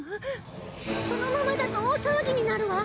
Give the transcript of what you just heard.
このままだと大騒ぎになるわ！